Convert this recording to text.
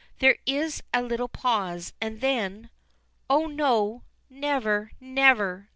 There is a little pause, and then: "Oh, no! Never never!"